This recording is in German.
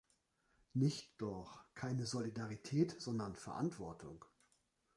Nicht doch, keine Solidarität, sondern "Verantwortung" .